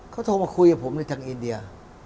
เขาโทรมาคุยกับผมเลยทางอินเดีย